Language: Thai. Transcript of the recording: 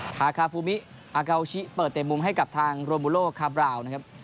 คาคาฟูมิอากาวชิเปิดเตะมุมให้กับทางโรโมโลคาบราวนะครับ